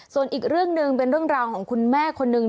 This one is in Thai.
ส่วนอีกเรื่องหนึ่งเป็นเรื่องราวของคุณแม่คนนึง